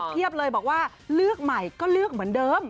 เลยบอกว่าเลือกใหม่ก็เลือกเหมือนเดิม